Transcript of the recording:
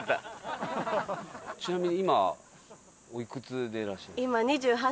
ちなみに今おいくつでいらっしゃいますか？